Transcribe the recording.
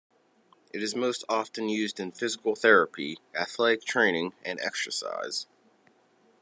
It is most often used in physical therapy, athletic training and exercise.